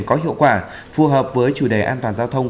có hiệu quả phù hợp với chủ đề an toàn giao thông